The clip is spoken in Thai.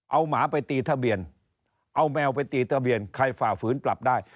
เอาหมาไปตีทะเบียนเอาแมวไปตีทะเบียนใครฝ่าฝืนปรับได้